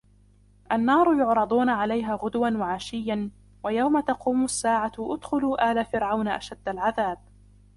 النار يعرضون عليها غدوا وعشيا ويوم تقوم الساعة أدخلوا آل فرعون أشد العذاب